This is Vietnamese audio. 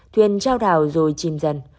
thuyền trao đảo rồi chìm dần